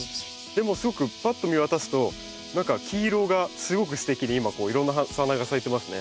でもすごくぱっと見渡すと何か黄色がすごくステキに今いろんな花が咲いてますね。